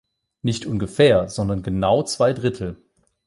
Nicht ungefähr, sondern genau zwei Drittel.